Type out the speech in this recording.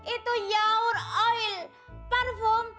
itu yaur oil parfum